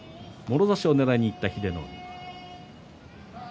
もろ差しをねらいにいった英乃海。